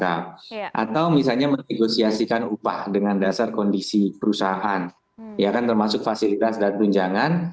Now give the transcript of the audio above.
atau misalnya menegosiasikan upah dengan dasar kondisi perusahaan ya kan termasuk fasilitas dan tunjangan